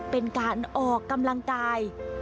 เป็นการออกกำลังกาย